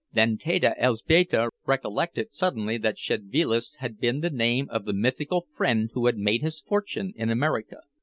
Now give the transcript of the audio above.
Then Teta Elzbieta recollected suddenly that Szedvilas had been the name of the mythical friend who had made his fortune in America.